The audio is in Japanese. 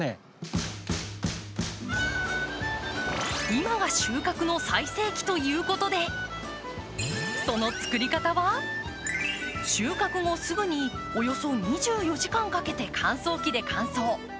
今が収穫の最盛期ということで、その作り方は、収穫後、すぐにおよそ２４時間かけて乾燥機で感想。